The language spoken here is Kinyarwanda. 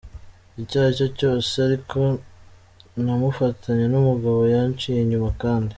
icyo aricyo cyose, ariko namufatanye n’umugabo yanciye inyuma kandi.